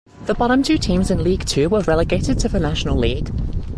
The bottom two teams in League Two were relegated to the National League.